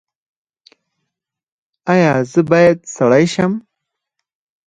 ایا زه باید سړی شم؟